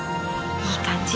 いい感じ！